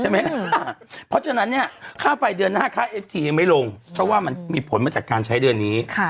เพราะฉะนั้นเนี่ยค่าไฟเดือนหน้าค่าเอฟทียังไม่ลงเพราะว่ามันมีผลมาจากการใช้เดือนนี้